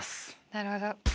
なるほど。